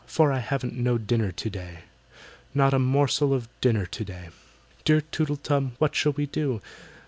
For I haven't no dinner to day!— Not a morsel of dinner to day! "Dear TOOTLE TUM, what shall we do?